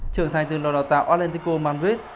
trưởng thành từ lò đào tạo atlético madrid